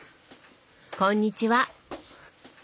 こんにちは。